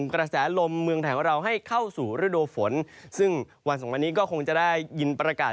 กระแสลมเมืองไทยของเราให้เข้าสู่ฤดูฝนซึ่งวันสองวันนี้ก็คงจะได้ยินประกาศ